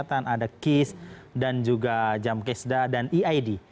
ada kis dan juga jam kesda dan eid